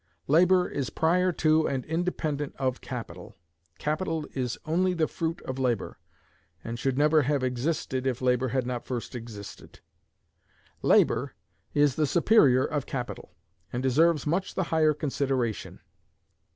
Labor is prior to and independent of capital. Capital is only the fruit of labor, and could never have existed if labor had not first existed. Labor is the superior of capital, and deserves much the higher consideration.